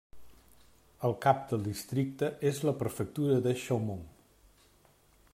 El cap del districte és la prefectura de Chaumont.